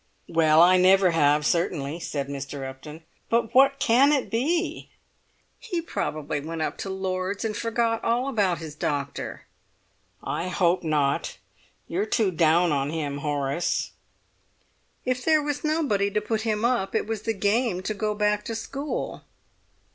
"Well, I never have, certainly," said Mr. Upton. "But what can it be?" "He probably went up to Lord's, and forgot all about his doctor." "I hope not! You're too down on him, Horace." "If there was nobody to put him up it was the game to go back to school."